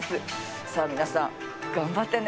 さあ皆さん頑張ってね。